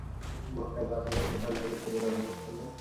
মক্কায় পা ফেলেই একটা টানটান উত্তেজনা অনুভব করলেন।